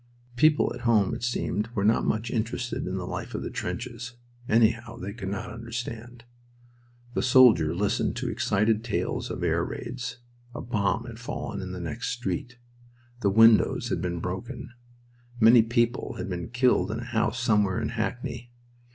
People at home, it seemed, were not much interested in the life of the trenches; anyhow, they could not understand. The soldier listened to excited tales of air raids. A bomb had fallen in the next street. The windows had been broken. Many people had been killed in a house somewhere in Hackney.